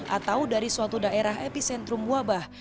atau dari suatu daerah epicentrum wabah